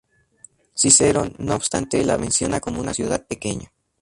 Cicerón, no obstante, la menciona como una ciudad pequeña.